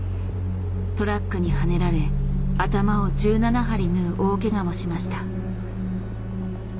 トラックにはねられ頭を１７針縫う大けがもしました。